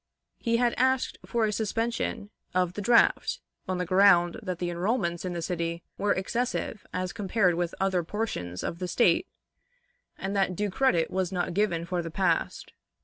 He had asked for a suspension of the draft, on the ground that the enrollments in the city were excessive as compared with other portions of the State, and that due credit was not given for the past.